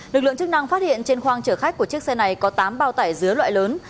lực lượng chức năng phát hiện trên khoang chở khách của chiếc xe này có tám bao tải dứa loại lớn